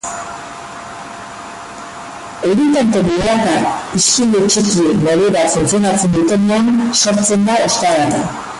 Euri tantek milaka ispilu txiki modura funtzionatzen dutenean sortzen da ostadarra.